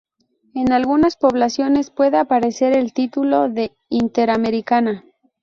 En algunas poblaciones puede aparecer el título de Interamericana.